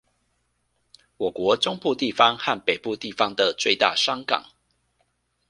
我國中部地方和北部地方的最大商港